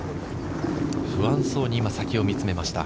不安そうに先を見つめました。